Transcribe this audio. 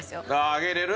揚げれる？